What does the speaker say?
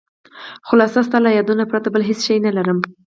خلاصه ستا له یادونو پرته بل هېڅ شی نه لرم.